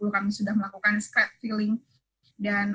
kami sudah melakukan scrap filling dan